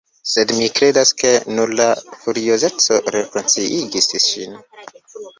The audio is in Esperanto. Sed mi kredas, ke nur la furiozeco rekonsciigis ŝin.